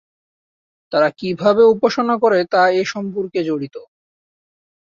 তারা কীভাবে উপাসনা করে তা এ সম্পর্কে জড়িত।